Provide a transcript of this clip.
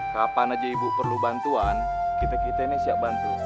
kapan aja ibu perlu bantuan kita kita ini siap bantu